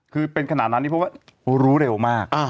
คือเป็นของนั้นที่พวกระรูเร็วมาก